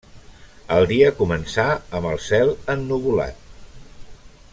El dia començà amb el cel ennuvolat.